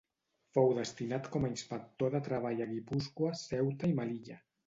Fou destinat com a Inspector de Treball a Guipúscoa, Ceuta i Melilla.